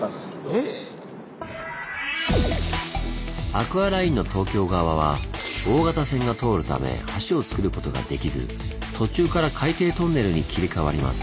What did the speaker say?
アクアラインの東京側は大型船が通るため橋をつくることができず途中から海底トンネルに切り替わります。